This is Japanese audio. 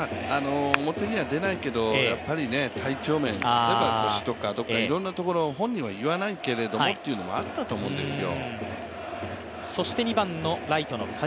表には出ないけど、やっぱり体調面、例えば腰とかどっかいろんなところ、本人は言わないけれどもというところがあると思うんですよ。